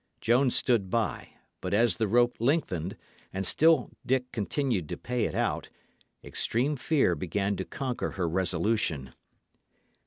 Joan stood by; but as the rope lengthened, and still Dick continued to pay it out, extreme fear began to conquer her resolution.